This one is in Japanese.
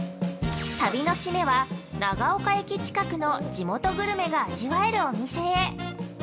◆旅の締めは、長岡駅近くの地元グルメが味わえるお店へ。